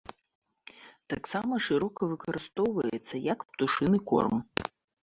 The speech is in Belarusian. Таксама шырока выкарыстоўваецца як птушыны корм.